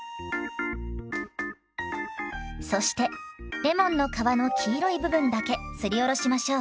そしてレモンの皮の黄色い部分だけすりおろしましょう。